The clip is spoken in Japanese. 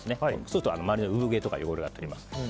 すると周りの産毛とか汚れが取れます。